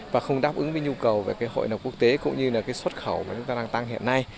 và không đáp ứng với nhu cầu về hội nộp quốc tế cũng như xuất khẩu mà chúng ta đang tăng hiện nay